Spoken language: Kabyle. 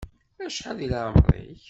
Acḥal di lɛemeṛ-ik?